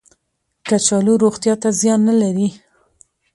کچالو روغتیا ته زیان نه لري